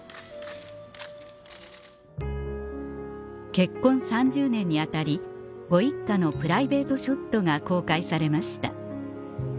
結婚３０年にあたりご一家のプライベートショットが公開されました